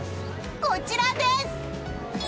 こちらです！